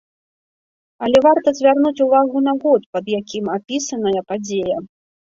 Але варта звярнуць увагу на год, пад якім апісаная падзея.